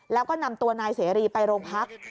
แล้วก็นำตัวนายเสรีไปโรงพัก